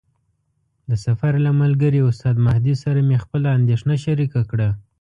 د سفر له ملګري استاد مهدي سره مې خپله اندېښنه شریکه کړه.